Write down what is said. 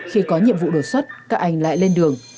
khi có nhiệm vụ đột xuất các anh lại lên đường